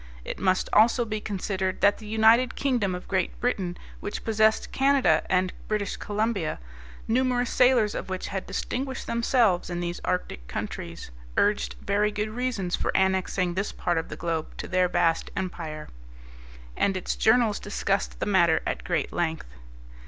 It must also be considered that the United Kingdom of Great Britain, which possessed Canada and British Columbia, numerous sailors of which had distinguished themselves in these Arctic countries, urged very good reasons for annexing this part of the globe to their vast empire. And its journals discussed the matter at great length.